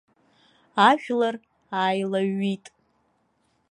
Ажәлар ааилаҩҩит.